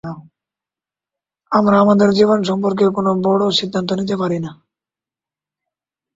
আমরা আমাদের জীবন সম্পর্কে, কোনও বড় সিদ্ধান্ত নিতে পারি না।